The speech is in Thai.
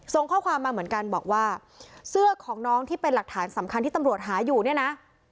ส่งข้อความมาเหมือนกันบอกว่าเสื้อของน้องที่เป็นหลักฐานสำคัญที่ตำรวจหาอยู่เนี่ยนะ